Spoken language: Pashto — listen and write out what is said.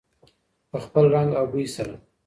په خپل رنګ او بوی سره.